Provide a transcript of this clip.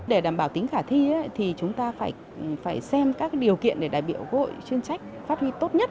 để đảm bảo tính khả thi thì chúng ta phải xem các điều kiện để đại biểu quốc hội chuyên trách phát huy tốt nhất